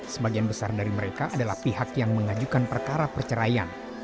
sebagian besar dari mereka adalah pihak yang mengajukan perkara perceraian